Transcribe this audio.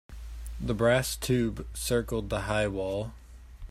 The brass tube circled the high wall.